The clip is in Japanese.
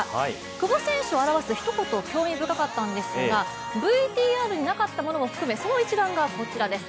久保選手を表すひと言興味深かったんですがＶＴＲになかったものも含め、その一覧がこちらです。